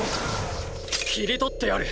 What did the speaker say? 切り取ってやる。